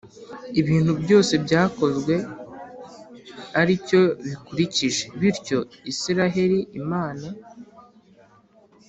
ibintu byose byakozwe ari cyo bikurikije. Bityo, Isiraheli Imana